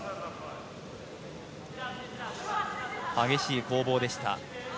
激しい攻防でした。